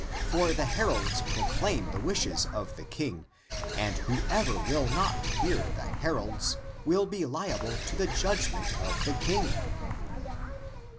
For the heralds pro claim the wishes of the King, and whoever will not hear the heralds will be liable to the judgment of the King."